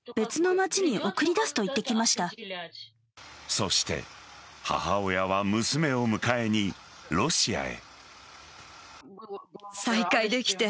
そして母親は娘を迎えにロシアへ。